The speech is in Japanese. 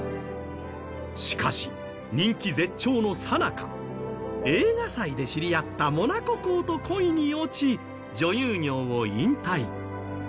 しかし、人気絶頂のさなか映画祭で知り合ったモナコ公と恋に落ち女優業を引退。